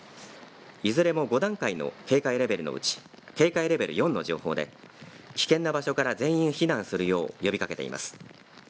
いずれも５段階の警戒レベルのうち警戒レベル４の情報で危険な場所から全員避難するよう呼びかけています。